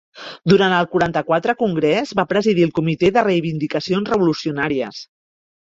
Durant el quaranta-quatrè Congrés, va presidir el Comitè de Reivindicacions Revolucionàries.